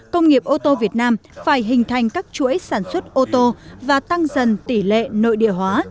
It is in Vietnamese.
công nghiệp ô tô việt nam phải hình thành các chuỗi sản xuất ô tô và tăng dần tỷ lệ nội địa hóa